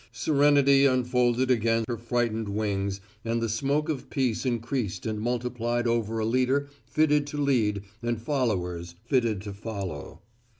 Serenity unfolded again her frightened wings and the smoke of peace increased and multiplied over a leader fitted to lead and followers fitted to follow.